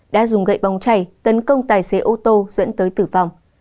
đã dùng gậy bóng chảy tấn công tài xế ô tô dẫn tới tử vong